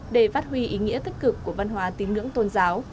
để phát huy ý nghĩa tích cực của văn hóa tín ngưỡng tôn giáo